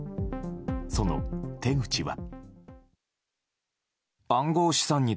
その手口は。